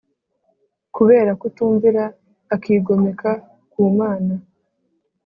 Kubera kutumvira akigomeka ku mana